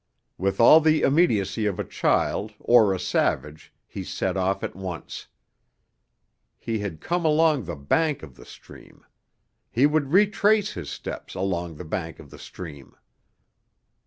With all the immediacy of a child or a savage he set off at once. He had come along the bank of the stream. He would retrace his steps along the bank of the stream.